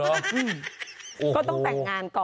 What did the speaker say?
ก็ต้องแต่งงานก่อน